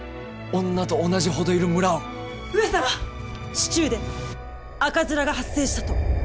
市中で赤面が発生したと。